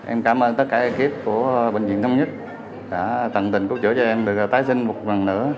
em cảm ơn tất cả ekip của bệnh viện đông nhất đã tận tình cứu chữa cho em được tái sinh một lần nữa